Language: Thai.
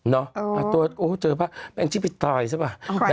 เนาะโอ้เจอภาพแม่งชิ้นไปต่อยใช่ป่ะ